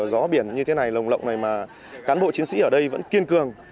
gió biển như thế này lồng lộng này mà cán bộ chiến sĩ ở đây vẫn kiên cường